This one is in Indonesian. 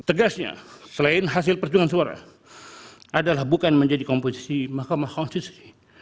tegasnya selain hasil perjuangan suara adalah bukan menjadi komposisi mahkamah konstitusi